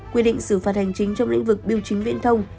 quy định xử phạt hành chính trong lĩnh vực biểu chính viễn thông